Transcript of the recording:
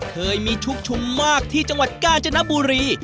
เคยมีชุกชุมมากที่จังหวัดกาญจนบุรี